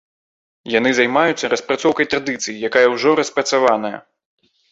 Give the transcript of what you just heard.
Яны займаюцца распрацоўкай традыцыі, якая ўжо распрацаваная.